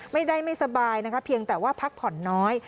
ไม่ได้ไม่สบายนะคะเพียงแต่ว่าพักผ่อนน้อย